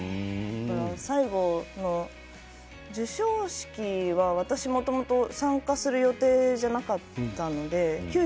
最後の受賞式は私はもともと参加する予定じゃなかったので。